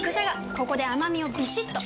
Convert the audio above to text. ここで甘みをビシッと！